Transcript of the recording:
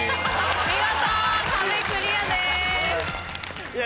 見事壁クリアです。